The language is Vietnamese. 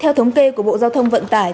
theo thống kê của bộ giao thông vận tải